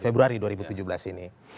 saya kalau melihat beberapa hasil survei ini